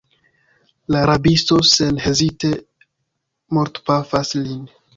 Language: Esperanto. La rabisto senhezite mortpafas lin.